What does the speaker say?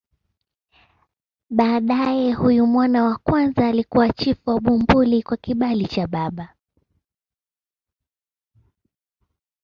Baadaye huyu mwana wa kwanza alikuwa chifu wa Bumbuli kwa kibali cha baba.